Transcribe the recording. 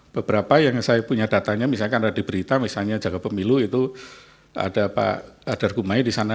beberapa yang saya punya datanya misalkan ada di berita misalnya jaga pemilu itu ada pak adar gumai di sana